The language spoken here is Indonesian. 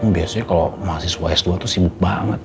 biasanya kalau mahasiswa s dua itu sibuk banget